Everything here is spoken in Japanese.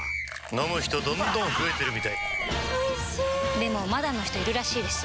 飲む人どんどん増えてるみたいおいしでもまだの人いるらしいですよ